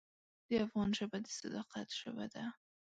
د افغان ژبه د صداقت ژبه ده.